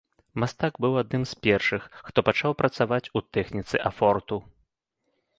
Мастак быў адным з першых, хто пачаў працаваць у тэхніцы афорту.